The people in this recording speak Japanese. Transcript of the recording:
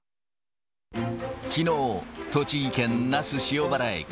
きのう、栃木県那須塩原駅。